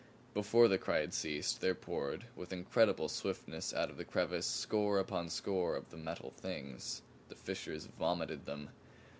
Before the cry had ceased there poured with incredible swiftness out of the crevice score upon score of the metal things. The fissures vomited them!